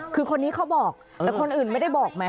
คือคนนี้เขาบอกแต่คนอื่นไม่ได้บอกไหม